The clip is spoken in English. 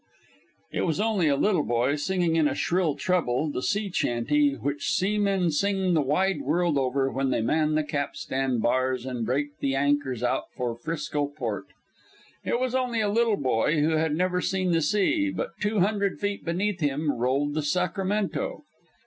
It was only a little boy, singing in a shrill treble the sea chantey which seamen sing the wide world over when they man the capstan bars and break the anchors out for "Frisco" port. It was only a little boy who had never seen the sea, but two hundred feet beneath him rolled the Sacramento.